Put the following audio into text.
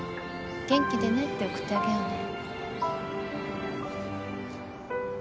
元気でね」って送ってあげようね。